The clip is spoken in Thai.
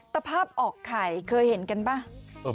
แต่ภาพออกไข่เคยเห็นกันหรือเปล่า